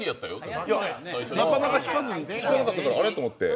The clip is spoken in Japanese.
なかなか引かなかったからあれっと思って。